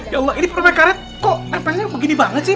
ya allah ini perminkaret kok nempelnya begini banget sih